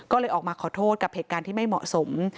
ก็เลยออกมาขอโทษกับเหตุการณ์ที่ไม่เหมาะสม